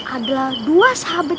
adalah dua sahabat